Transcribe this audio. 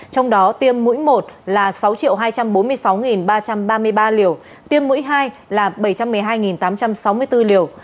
trong đó tiêm mũi một là sáu hai trăm bốn mươi sáu ba trăm ba mươi ba liều tiêm mũi hai là bảy trăm một mươi hai tám trăm sáu mươi bốn liều